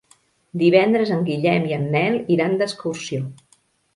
Divendres en Guillem i en Nel iran d'excursió.